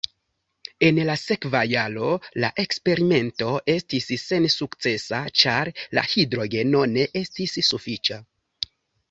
En la sekva jaro la eksperimento estis sensukcesa, ĉar la hidrogeno ne estis sufiĉa.